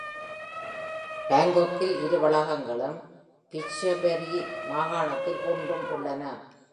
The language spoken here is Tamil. பாங்காக்கில் இரு வளாகங்களும் Phetchaburi மாகாணத்தில் ஒன்றும் உள்ளன.